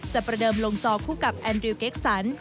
ประเดิมลงจอคู่กับแอนดริวเกคสัน